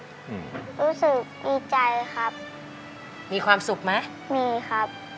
รู้สึกดีใจครับมีความสุขไหมมีครับ